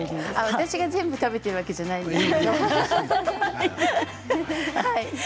私が全部食べてるわけじゃないんですよ。